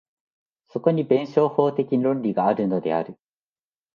そこに弁証法的論理があるのである。